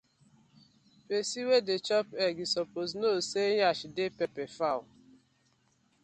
Pesin wey dey chop egg e suppose kno say yansh dey pepper fowl.